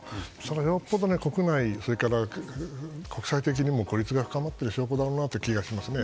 よっぽど国内それから国際的にも孤立が深まっている証拠だなという気がしますね。